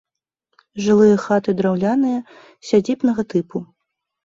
Жылыя хаты драўляныя, сядзібнага тыпу.